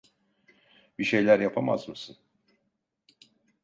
Bir şeyler yapamaz mısın?